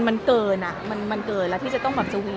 มันเกินอ่ะมันเกินแล้วที่จะต้องแบบสวีท